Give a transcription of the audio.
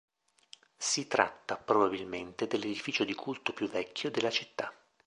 Si tratta probabilmente dell'edificio di culto più vecchio della città.